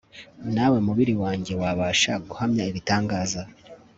nawe mubiri wanjye wabasha guhamya ibitangaza